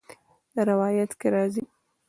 روايت کي راځي :